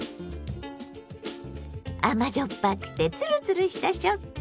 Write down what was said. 甘じょっぱくてつるつるした食感。